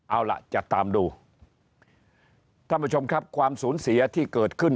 เอาล่ะจะตามดูท่านผู้ชมครับความสูญเสียที่เกิดขึ้น